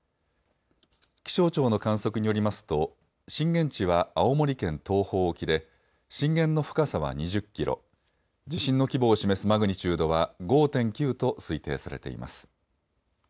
気象庁の観測によりますと震源地は青森県東方沖で震源の深さは２０キロ、地震の規模を示すマグニチュードは５．９と推定されています。